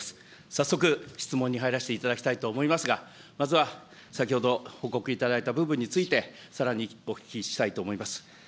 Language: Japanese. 早速質問に入らせていただきたいと思いますが、まずは先ほどご報告いただいた部分について、さらにお聞きしたいと思います。